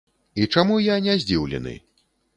І чаму я не здзіўлены?